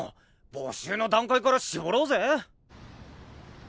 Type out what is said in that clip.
募集の段階から絞ろうぜ。